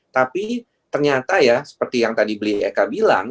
tapi ternyata ya seperti yang tadi belieka bilang